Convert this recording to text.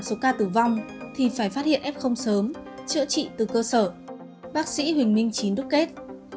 số ca tử vong thì phải phát hiện f sớm chữa trị từ cơ sở bác sĩ huỳnh minh chính đúc kết